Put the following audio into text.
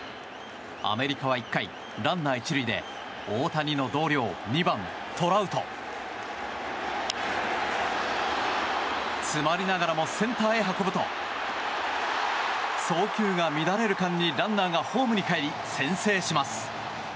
アメリカは１回ランナー１塁で大谷の同僚２番、トラウト。詰まりながらもセンターへ運ぶと送球が乱れる間にランナーがホームにかえり先制します。